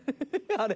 あれ？